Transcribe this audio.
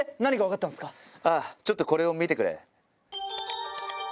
ちょっとこれを見てくれ。